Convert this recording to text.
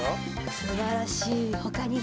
すばらしいほかには？